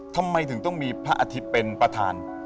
ทำไมถึงต้องมีพระอาทิตย์เป็นประธาน